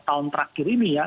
tahun terakhir ini ya